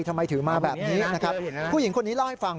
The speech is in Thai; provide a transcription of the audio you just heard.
ทำไมถือมาแบบนี้นะครับผู้หญิงคนนี้เล่าให้ฟัง